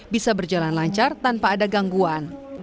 bisa berjalan lancar tanpa ada gangguan